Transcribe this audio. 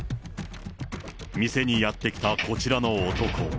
店にやって来たこちらの男。